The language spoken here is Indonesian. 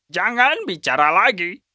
jangan bicara lagi